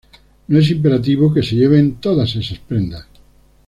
No es imperativo que se lleven todas estas prendas.